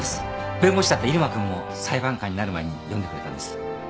弁護士だった入間君も裁判官になる前に読んでくれたんです。